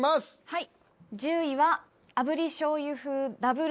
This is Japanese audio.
はい。